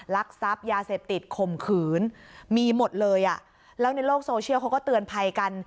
ลักทรัพย์ยาเสพติดข่มขืนมีหมดเลยอ่ะแล้วในโลกโซเชียลเขาก็เตือนภัยกัน